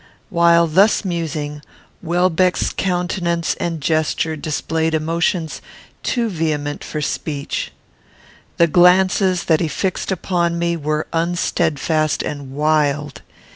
While thus musing, Welbeck's countenance and gesture displayed emotions too vehement for speech. The glances that he fixed upon me were unsteadfast and wild.